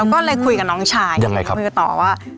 เราก็เลยคุยกับน้องชายคุยกับต่อว่า